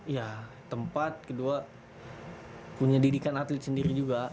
ya tempat kedua punya didikan atlet sendiri juga